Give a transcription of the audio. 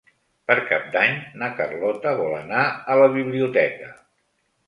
Per Cap d'Any na Carlota vol anar a la biblioteca.